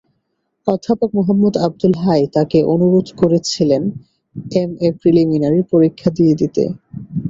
অধ্যাপক মুহম্মদ আবদুল হাই তাঁকে অনুরোধ করেছিলেন এমএ প্রিলিমিনারি পরীক্ষা দিয়ে দিতে।